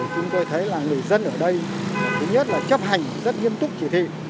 chúng tôi thấy là người dân ở đây thứ nhất là chấp hành rất nghiêm túc chỉ thị